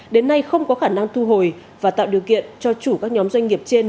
đến nay không có khả năng thu hồi và tạo điều kiện cho chủ các nhóm doanh nghiệp trên